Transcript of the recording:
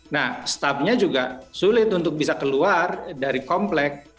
nah staffnya juga sulit untuk bisa keluar dari komplek